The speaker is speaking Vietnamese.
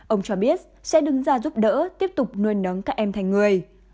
ông cho biết sẽ đứng ra giúp đỡ tiếp tục nuôi nấm các em thành người